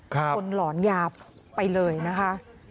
คนหลอนยาไปเลยนะคะ